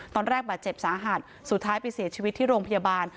ตอนแรกบาดเจ็บสาหัสสุดท้ายไปเสียชีวิตที่โรงพยาบาล